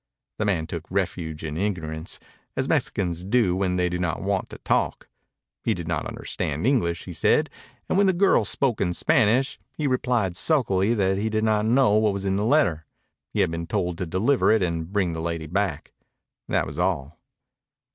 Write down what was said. The man took refuge in ignorance, as Mexicans do when they do not want to talk. He did not understand English, he said, and when the girl spoke in Spanish he replied sulkily that he did not know what was in the letter. He had been told to deliver it and bring the lady back. That was all.